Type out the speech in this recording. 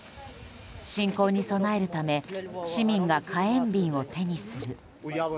侵攻に備えるため市民が火炎瓶を手にする。